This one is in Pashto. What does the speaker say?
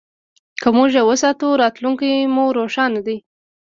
که موږ یې وساتو، راتلونکی مو روښانه دی.